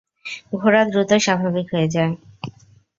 ঘোড়া দ্রুত স্বাভাবিক হয়ে যায়।